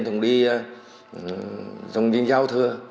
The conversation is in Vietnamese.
cùng đi trong những giao thừa